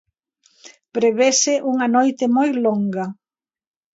Prevese unha noite moi longa.